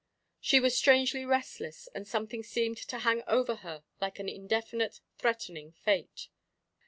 She was strangely restless, and something seemed to hang over her like an indefinite, threatening fate.